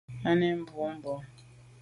À nèn boa bon.